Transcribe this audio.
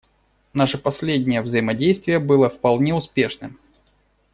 Наше последнее взаимодействие было вполне успешным.